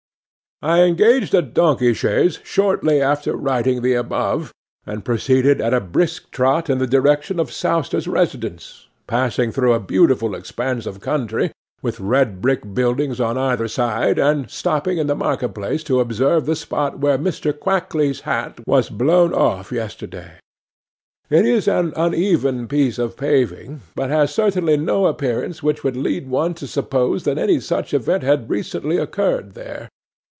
'I ENGAGED a donkey chaise shortly after writing the above, and proceeded at a brisk trot in the direction of Sowster's residence, passing through a beautiful expanse of country, with red brick buildings on either side, and stopping in the marketplace to observe the spot where Mr. Kwakley's hat was blown off yesterday. It is an uneven piece of paving, but has certainly no appearance which would lead one to suppose that any such event had recently occurred there.